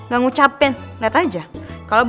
gak ngucapin liat aja